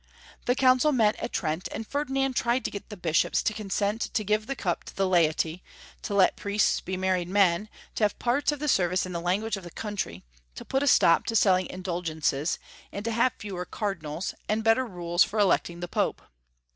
The Council met at Trent, and Ferdinand tried to get the Bishops to consent to give the Cup to the laity, to let priests be married men, to have parts of the service in the language of the country, to put a stop to selling indulgences, and to have fewer Cardinals, and better rules for electing the Pope.